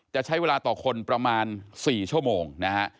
จะใช้เวลาต่อคนประมาณ๔ชั่วโมงนะฮะ